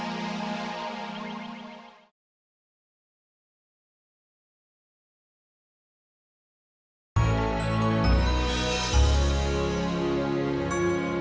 sini gue pas tau ya